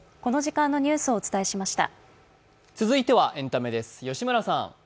続いてはエンタメです。